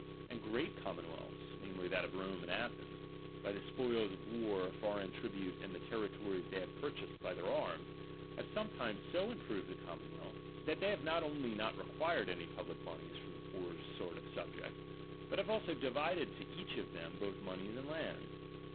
And great commonweals, ^H namely, that of Rome and Athens, by the spoils of ^H war, foreign tribute, and the territories they have ^H purchased by their arras, have sometimes so im ^H proved the commonwealth, that they have not ^H only not required any pubUc monies from the ^H poorer sort of subjects, but bave also divided to ^| each of them both monies and lands.